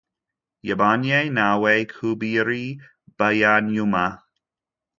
yabanye nawe kubiri byanyuma